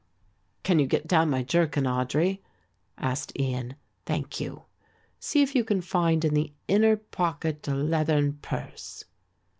"Can you get down my jerkin, Audry?" asked Ian, "Thank you! See if you can find in the inner pocket a leathern purse?